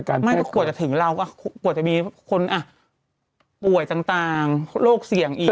คนปวดจะถึงเราก็ปวดจะมีคนป่วยต่างโรคเสี่ยงอีก